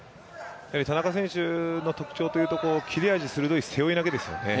田中選手の特徴は切れ味鋭い背負い投げですよね。